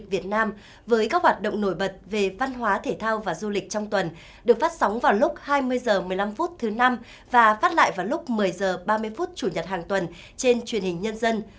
với các hoạt động nổi bật về văn hóa thể thao và du lịch trong tuần được phát sóng vào lúc hai mươi h một mươi năm phút thứ năm và phát lại vào lúc một mươi h ba mươi phút chủ nhật hàng tuần trên truyền hình nhân dân